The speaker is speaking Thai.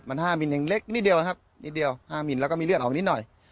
มัน๕มิลยังเล็กนิดเดียวนะครับนิดเดียว๕มิลแล้วก็มีเลือดออกนิดหน่อย